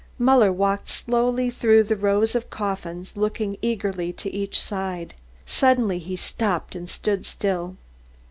Muller walked slowly through the rows of coffins looking eagerly to each side. Suddenly he stopped and stood still.